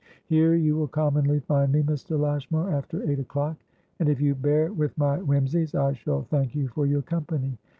"Here you will commonly find me, Mr. Lashmar, after eight o'clock, and if you bear with my whimsies I shall thank you for your company.